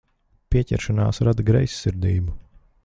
Pieķeršanās rada greizsirdību.